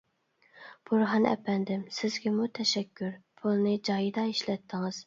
بورھان ئەپەندىم سىزگىمۇ تەشەككۈر، پۇلنى جايىدا ئىشلەتتىڭىز.